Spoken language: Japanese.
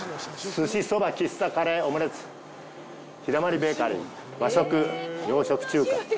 「寿司・そば・喫茶・カレー・オムレツ陽だまりベーカリー」「和食・洋食・中華」